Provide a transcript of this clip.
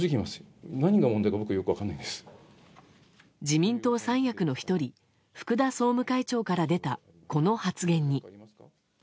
自民党三役の１人福田総務会長から出たこの発言に。